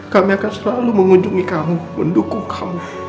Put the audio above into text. kami akan selalu mengunjungi kamu mendukung kamu